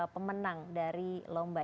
pemenang dari lomba